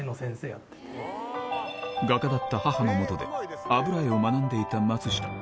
画家だった母のもとで油絵を学んでいた松下